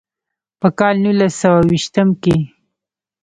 پۀ کال نولس سوه ويشتم کښې